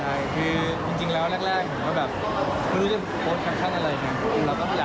ไม่รู้ว่าจะโพสท์แคปชั่นอะไรนะ